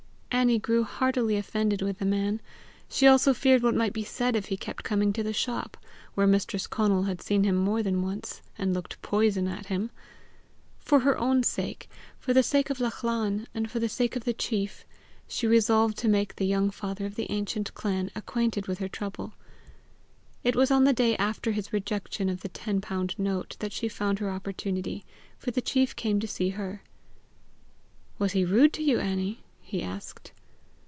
Annie grew heartily offended with the man. She also feared what might be said if he kept coming to the shop where Mistress Conal had seen him more than once, and looked poison at him. For her own sake, for the sake of Lachlan, and for the sake of the chief, she resolved to make the young father of the ancient clan acquainted with her trouble. It was on the day after his rejection of the ten pound note that she found her opportunity, for the chief came to see her. "Was he rude to you, Annie?" he asked.